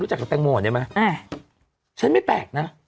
รู้จักกับแตงโมเหรอดีมาใช่ฉันไม่แปลกน่ะ